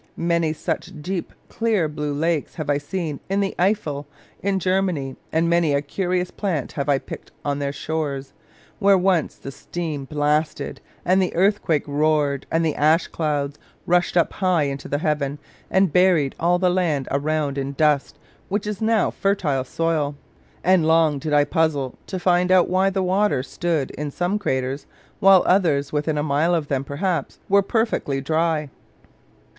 Many such deep clear blue lakes have I seen in the Eifel, in Germany; and many a curious plant have I picked on their shores, where once the steam blasted, and the earthquake roared, and the ash clouds rushed up high into the heaven, and buried all the land around in dust, which is now fertile soil. And long did I puzzle to find out why the water stood in some craters, while others, within a mile of them perhaps, were perfectly dry.